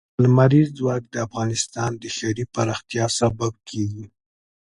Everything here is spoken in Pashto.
لمریز ځواک د افغانستان د ښاري پراختیا سبب کېږي.